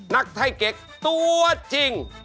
นักไทยเก็กตัวจริง